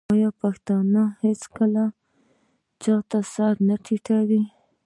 آیا پښتون هیڅکله چا ته سر نه ټیټوي؟